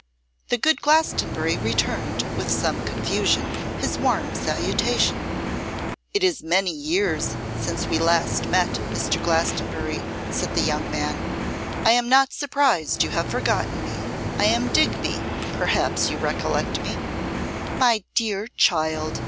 The good Glastonbury returned, with some confusion, his warm salutation. 'It is many years since we last met, Mr. Glastonbury,' said the young man. 'I am not surprised you have forgotten me. I am Digby; perhaps you recollect me?' 'My dear child!